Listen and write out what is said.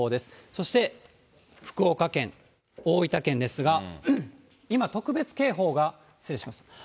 そして福岡県、大分県ですが、今、特別警報が、失礼します。